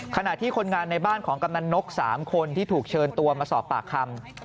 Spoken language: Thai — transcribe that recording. ขณะที่คนงานในบ้านของกำนันนก๓คนที่ถูกเชิญตัวมาสอบปากคำ